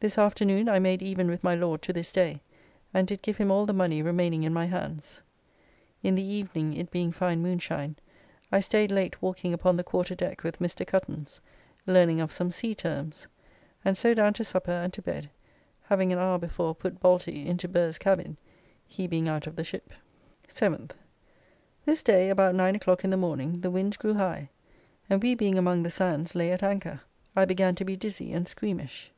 This afternoon I made even with my Lord to this day, and did give him all the money remaining in my hands. In the evening, it being fine moonshine, I staid late walking upon the quarter deck with Mr. Cuttance, learning of some sea terms; and so down to supper and to bed, having an hour before put Balty into Burr's cabin, he being out of the ship. 7th. This day, about nine o'clock in the morning, the wind grew high, and we being among the sands lay at anchor; I began to be dizzy and squeamish.